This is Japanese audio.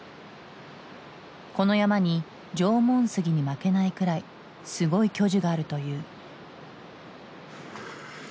この山に縄文杉に負けないくらいすごい巨樹があるという。